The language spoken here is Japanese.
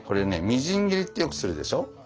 みじん切りってよくするでしょう？